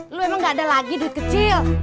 lalu emang gak ada lagi duit kecil